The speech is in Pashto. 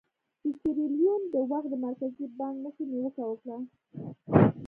د سیریلیون د وخت د مرکزي بانک مشر نیوکه وکړه.